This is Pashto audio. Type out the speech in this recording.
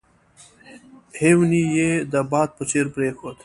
هیوني یې د باد په څېر پرېښود.